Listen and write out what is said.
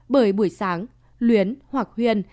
bởi buổi sáng luyến hoặc huyền